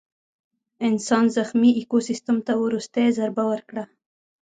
انسان زخمي ایکوسیستم ته وروستۍ ضربه ورکړه.